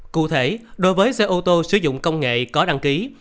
cụ thể đối với xe ô tô sử dụng công nghệ có đăng ký